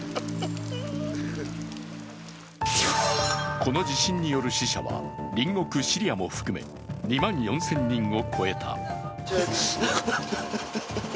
この地震による死者は隣国シリアも含め、２万４０００人を超えた。